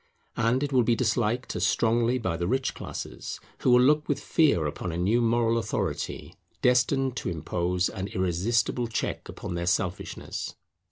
And it will be disliked as strongly by the rich classes, who will look with fear upon a new moral authority destined to impose an irresistible check upon their selfishness.